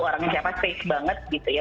orangnya siapa safe banget gitu ya